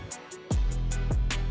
ketika penyakit tersebut terjadi